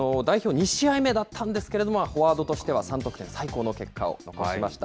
２試合目だったんですけれども、フォワードとしては３得点、最高の結果を残しました。